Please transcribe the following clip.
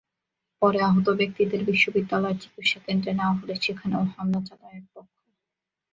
পরে আহত ব্যক্তিদের বিশ্ববিদ্যালয়ের চিকিৎসাকেন্দ্রে নেওয়া হলে সেখানেও হামলা চালায় একপক্ষ।